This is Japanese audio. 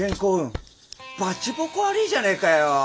全部バチボコ悪ぃじゃねえかよ！